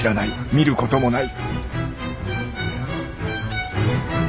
見ることもない」。